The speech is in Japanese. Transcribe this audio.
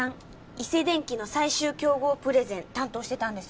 伊勢電機の最終競合プレゼン担当してたんです